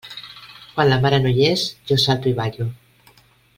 Quan la mare no hi és, jo salto i ballo.